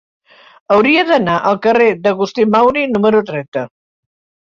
Hauria d'anar al carrer d'Agustí Mauri número trenta.